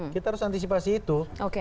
kita harus antisipasi itu